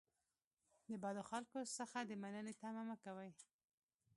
د بدو خلکو څخه د مننې تمه مه کوئ.